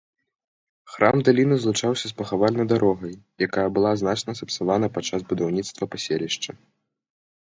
Храм даліны злучаўся з пахавальнай дарогай, якая была значна сапсавана падчас будаўніцтва паселішча.